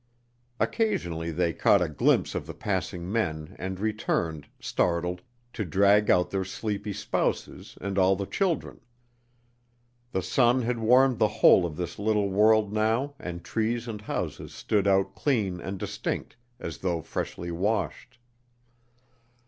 Occasionally they caught a glimpse of the passing men and returned, startled, to drag out their sleepy spouses and all the children. The sun had warmed the whole of this little world now and trees and houses stood out clean and distinct as though freshly washed.